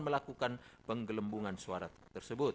melakukan penggelembungan suara tersebut